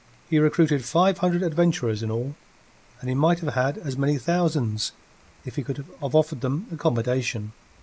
He recruited five hundred adventurers in all, and he might have had as many thousands if he could have offered them accommodation.